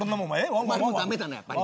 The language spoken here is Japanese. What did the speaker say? お前も駄目だなやっぱり。